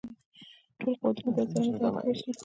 ټول قوتونه باید سره متحد کړه شي.